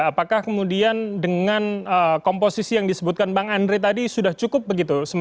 apakah kemudian dengan komposisi yang disebutkan bang andre tadi sudah cukup begitu